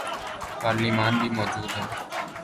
پارلیمان بھی موجود ہے۔